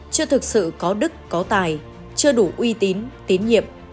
chưa thực sự có đức có tài chưa đủ uy tín tín nhiệm